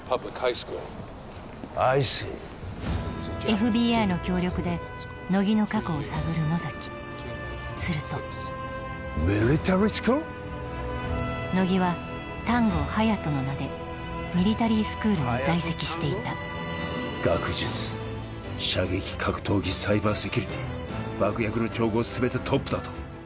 ＦＢＩの協力で乃木の過去を探る野崎すると乃木は丹後隼人の名でミリタリースクールに在籍していた学術射撃格闘技サイバーセキュリティ爆薬の調合全てトップだと？